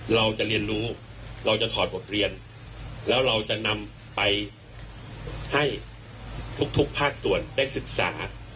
เราจะเรียนรู้เราจะถอดบทเรียนแล้วเราจะนำไปให้ทุกภาคส่วนได้ศึกษา